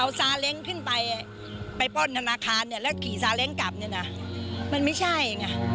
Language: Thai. เอาซาเลงขึ้นไปไปปล้อนธนาคารแล้วขี่ซาเลงกลับมันไม่ใช่